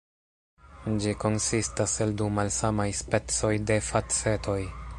Ĝi konsistas el du malsamaj specoj de facetoj.